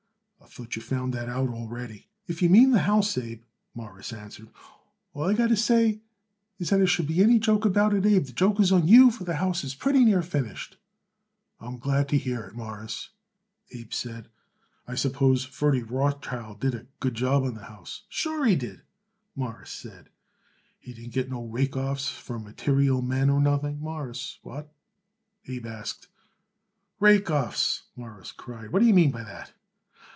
"I thought you found that out already." "If you mean the house, Abe," Morris answered, "all I got to say is that, if there should be any joke about it, Abe, the joke is on you, for that house is pretty near finished." "I'm glad to hear it, Mawruss," Abe said. "I suppose Ferdy Rothschild did it a good job on the house." "Sure, he did," Morris said. "He didn't get no rake offs from material men or nothing, Mawruss. What?" Abe asked. "Rake offs!" Morris cried. "What d'ye mean by that?"